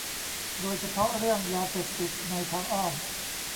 โดยเฉพาะเรื่องยาเสพติดในทางอ้อม